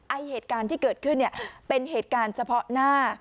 เหตุการณ์ที่เกิดขึ้นเนี่ยเป็นเหตุการณ์เฉพาะหน้า